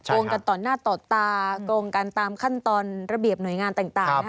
งงกันต่อหน้าต่อตาโกงกันตามขั้นตอนระเบียบหน่วยงานต่าง